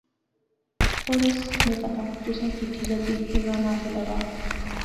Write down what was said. چھوڑیس، میں پتہ، تسیں چٹھی لبی، عمران آخنے لاغآ